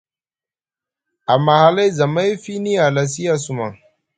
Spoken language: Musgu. Amma hlay zamay, fiini a halasi a sumaŋ,